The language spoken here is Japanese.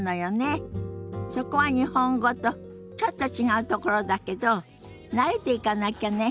そこは日本語とちょっと違うところだけど慣れていかなきゃね。